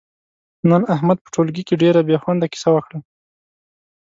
نن احمد په ټولگي کې ډېره بې خونده کیسه وکړه،